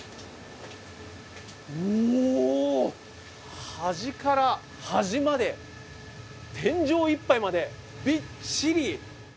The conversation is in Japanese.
うおー、端から端まで、天井いっぱいまで、びっちり。